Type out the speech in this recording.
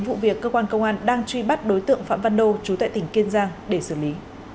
vụ việc cơ quan công an đang truy bắt đối tượng phạm văn đô chú tại tỉnh kiên giang để xử lý